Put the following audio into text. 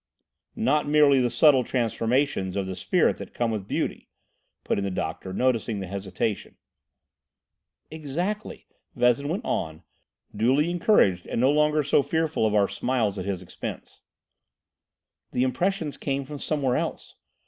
"Not merely the subtle transformations of the spirit that come with beauty," put in the doctor, noticing his hesitation. "Exactly," Vezin went on, duly encouraged and no longer so fearful of our smiles at his expense. "The impressions came from somewhere else.